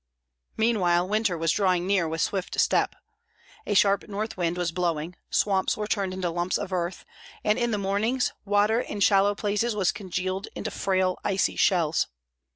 Meanwhile winter was drawing near with swift step. A sharp north wind was blowing, swamps were turned into lumps of earth; and in the mornings, water in shallow places was congealed into frail icy shells.